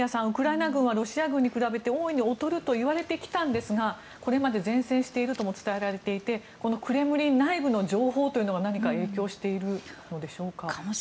ウクライナ軍はロシア軍に比べて大いに劣るといわれてきたんですがこれまで善戦しているとも伝えられていてこのクレムリン内部の情報というのが何か影響しているのでしょうか？